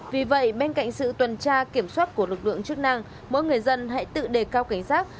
vì vậy bên cạnh sự tuần tra kiểm soát của lực lượng chức năng mỗi người dân hãy tự đề cao cảnh giác